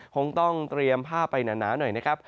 คงต้องเตรียมผ้าไปหนาหน่อยนะครับ